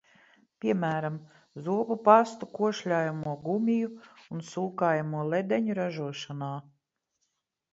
Piemēram – zobu pastu, košļājamo gumiju un sūkājamo ledeņu ražošanā.